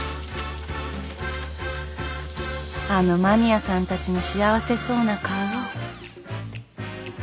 あのマニアさんたちの幸せそうな顔。